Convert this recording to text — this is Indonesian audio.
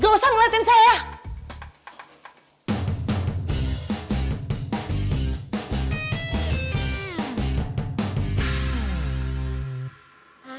gak usah ngeliatin saya